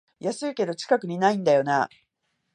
安いけど近くにないんだよなあ